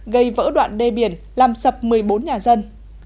gây vỡ đoạn đê biển làm sập một mươi bốn nhà dân